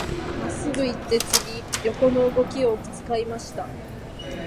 真っすぐ行って、次、横の動きを使いました。